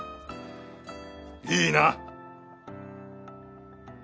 いいな？